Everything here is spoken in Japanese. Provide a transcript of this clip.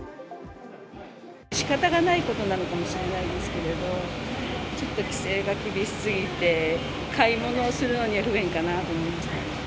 しかたがないことなのかもしれないですけど、ちょっと規制が厳しすぎて、買い物するのには不便かなと思いましたね。